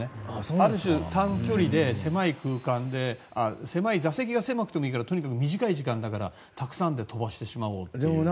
ある種、短距離で狭い空間で座席が狭くてもいいからとにかく短い時間だからたくさんで飛ばしてしまおうという。